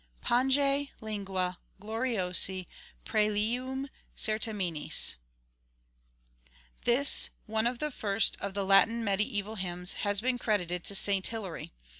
PANGE, LINGUA, GLORIOSI, PRŒLIUM CERTAMINIS This, "one of the first of the Latin mediæval hymns," has been credited to St. Hilary.